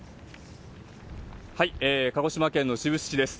鹿児島県の志布志市です。